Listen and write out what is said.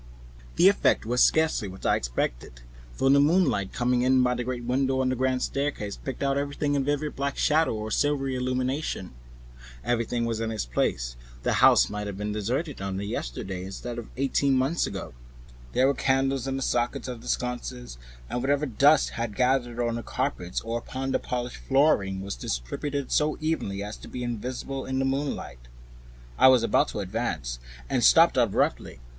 The effect was scarcely what I expected, for the moonlight, coming in by the great window on the grand staircase, picked out everything in vivid black shadow or reticulated silvery illumination. Everything seemed in its proper position; the house might have been deserted on the yesterday instead of twelve months ago. There were candles in the sockets of the sconces, and whatever dust had gathered on the carpets or upon the polished flooring was distributed so evenly as to be invisible in my candlelight. A waiting stillness was over everything. I was about to advance, and stopped abruptly.